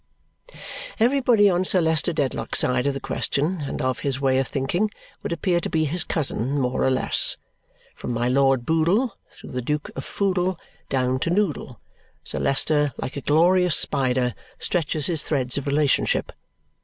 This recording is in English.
Everybody on Sir Leicester Dedlock's side of the question and of his way of thinking would appear to be his cousin more or less. From my Lord Boodle, through the Duke of Foodle, down to Noodle, Sir Leicester, like a glorious spider, stretches his threads of relationship.